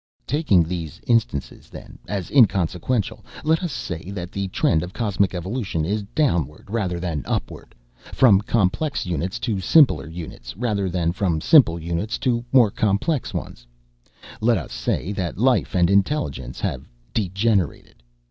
"Taking these instances, then, as inconsequential, let us say that the trend of cosmic evolution is downward rather than upward, from complex units to simpler units rather than from simple units to more complex ones. "Let us say that life and intelligence have degenerated.